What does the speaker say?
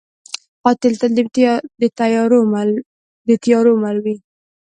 قاتل تل د تیارو مل وي